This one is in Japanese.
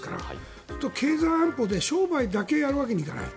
そうすると経済安保で商売だけやるわけにはいかない。